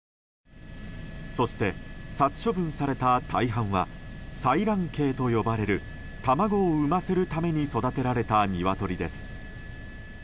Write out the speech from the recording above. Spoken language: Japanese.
そして、殺処分された大半は採卵鶏と呼ばれる卵を産ませるために育てられたニワトリです。